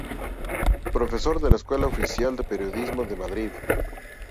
Profesor de la Escuela Oficial de Periodismo de Madrid.